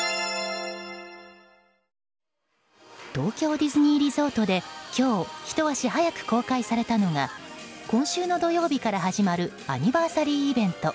東京ディズニーリゾートで今日ひと足早く公開されたのが今週の土曜日から始まるアニバーサリーイベント